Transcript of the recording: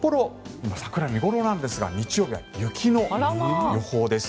今、桜が見頃なんですが日曜日は雪の予報です。